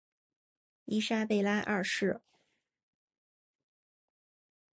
伊莎贝拉二世。